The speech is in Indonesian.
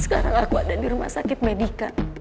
sekarang aku ada di rumah sakit medica